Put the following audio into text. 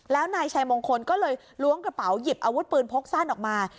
แล้วนายชัยมงคลก็เลยล้วงกระเป๋าหยิบอาวุธปืนพกสั้นออกมา